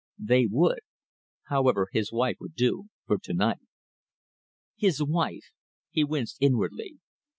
They would. However, his wife would do for to night. His wife! He winced inwardly.